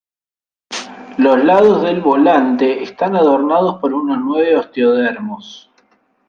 Los lados del volante están adornados por unos nueve osteodermos.